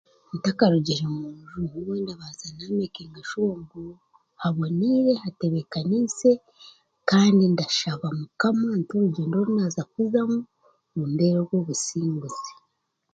Ntakarugire mu nju nimba nyine ku mekinga suwa ngu haboniire, hatebekaniise, kandi ndashaba mukama nti orugyendo oru naaza kuzamu rumbere orw'obusinguzi.